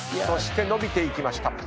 そして伸びていきました。